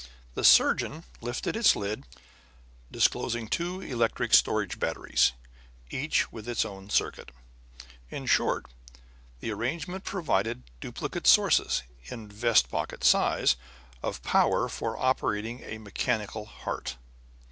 The surgeon lifted its lid, disclosing two electric storage batteries, each with its own circuit. In short, the arrangement provided duplicate sources, in vest pocket size, of power for operating a mechanical heart.